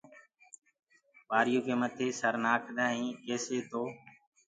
وآريو ڪي مٿي وري سر نآکدآ هين ڪيسآ تو